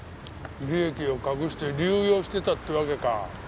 利益を隠して流用してたってわけか。